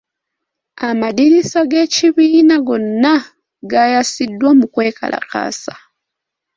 Amadirisa g'ekibiina gonna gaayasiddwa mu kwekalakaasa.